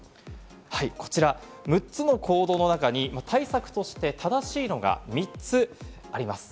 こちら６つの行動の中に対策として正しいものが３つあります。